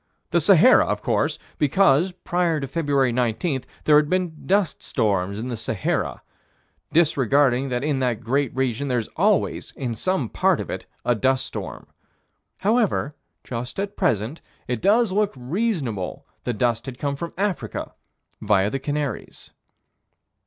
The Sahara, of course because, prior to February 19, there had been dust storms in the Sahara disregarding that in that great region there's always, in some part of it, a dust storm. However, just at present, it does look reasonable that dust had come from Africa, via the Canaries.